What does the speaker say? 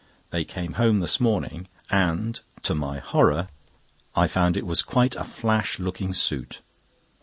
They came home this morning, and, to my horror, I found it was quite a flash looking suit.